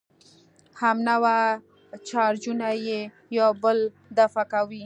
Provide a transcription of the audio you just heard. همنوع چارجونه یو بل دفع کوي.